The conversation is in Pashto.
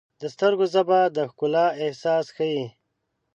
د سترګو ژبه د ښکلا احساس ښیي.